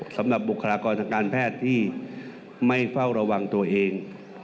บุคลากรทางการแพทย์ที่ไม่เฝ้าระวังตัวเอง